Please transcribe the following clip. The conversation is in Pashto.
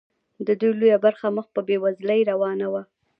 د دوی لویه برخه مخ په بیوزلۍ روانه وه.